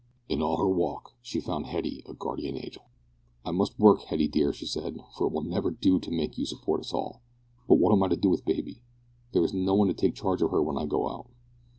In all her walk she found Hetty a guardian angel. "I must work, Hetty, dear," she said, "for it will never do to make you support us all; but what am I to do with baby? There is no one to take charge of her when I go out."